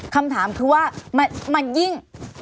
คำถามคือว่ามันยิ่ง